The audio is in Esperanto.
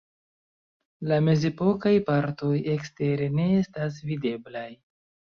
La mezepokaj partoj ekstere ne estas videblaj.